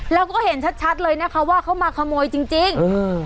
แล้วก็เห็นชัดชัดเลยนะคะว่าเขามาขโมยจริงจริงอืม